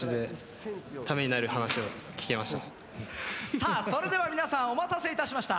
さあそれでは皆さんお待たせいたしました。